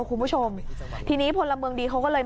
คุณผู้ชมทีนี้พลเมืองดีเขาก็เลย